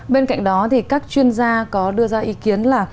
bên cạnh đó thì các chuyên gia có đưa ra ý kiến là